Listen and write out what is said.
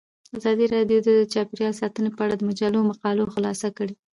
ازادي راډیو د چاپیریال ساتنه په اړه د مجلو مقالو خلاصه کړې.